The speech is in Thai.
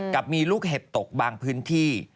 กับมีลูกเห็บตกบางพื้นที่